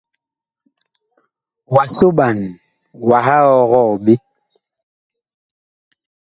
Wa soɓan, wah ɔgɔɔ ɓe.